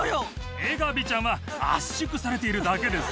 エガビちゃんは圧縮されているだけです。